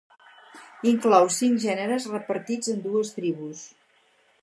Inclou cinc gèneres repartits en dues tribus.